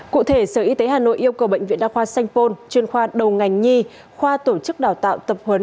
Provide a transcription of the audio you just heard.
cụ thể sở y tế hà nội yêu cầu bệnh viện đa khoa sanh pôn chuyên khoa đầu ngành nhi khoa tổ chức đào tạo tập huấn